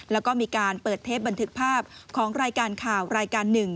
แล้วก็มีการเปิดเทปบันทึกภาพของรายการข่าวรายการหนึ่ง